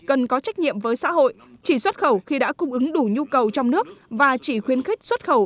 cần có trách nhiệm với xã hội chỉ xuất khẩu khi đã cung ứng đủ nhu cầu trong nước và chỉ khuyến khích xuất khẩu